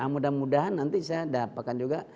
mudah mudahan nanti saya dapatkan juga